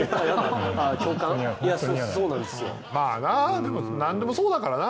まあなでもなんでもそうだからな。